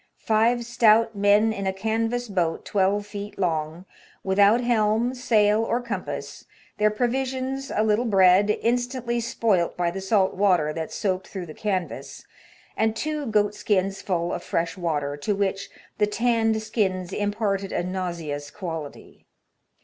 Five stout men in a canvas boat twelve feet long, without helm, sail, or compass, their provisions a little bread, instantly spoilt by the salt water that soaked through the canvas, and two goat skins full of fresh water, to which ''the tanned skins imparted a nauseous quality